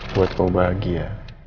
buat kamu bahagia